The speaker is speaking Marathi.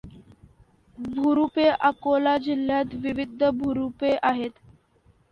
भूरूपे अकोला जिल्ह्यात विविध भूरूपे आहेत.